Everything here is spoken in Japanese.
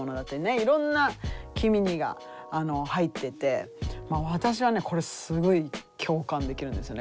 いろんな「きみに」が入ってて私はねこれすごい共感できるんですよね。